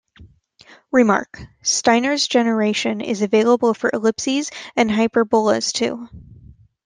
"Remark:" Steiner's generation is available for ellipses and hyperbolas, too.